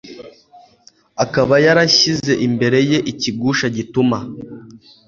akaba yarashyize imbere ye ikigusha gituma